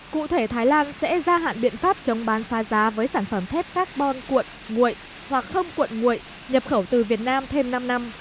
cụ thể thái lan sẽ gia hạn biện pháp chống bán phá giá với sản phẩm thép carbon cuộn nguội hoặc không cuộn nguội nhập khẩu từ việt nam thêm năm năm